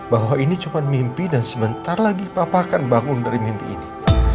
bahwa ini cuma mimpi dan sebentar lagi papa akan bangun dari mimpi ini